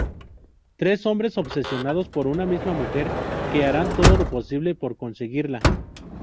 Tres hombres obsesionados por una misma mujer que harán todo lo posible por conseguirla...